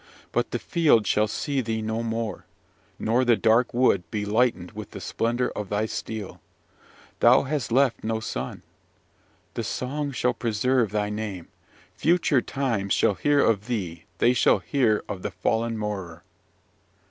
but the field shall see thee no more, nor the dark wood be lightened with the splendour of thy steel. Thou has left no son. The song shall preserve thy name. Future times shall hear of thee they shall hear of the fallen Morar!